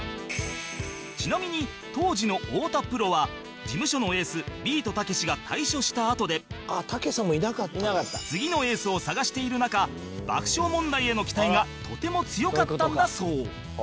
ちなみに当時の太田プロは事務所のエースビートたけしが退所したあとで次のエースを探している中爆笑問題への期待がとても強かったんだそう